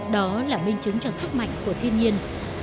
đó là minh chứng cho sức mạnh của thiên nhiên